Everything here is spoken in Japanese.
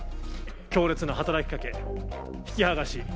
強烈な働きかけ、引き剥がし。